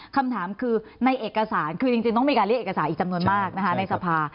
คำถามคือในเอกสารคือจริงต้องมีการเรียกเอกสารอีกจำนวนมากนะคะในสภา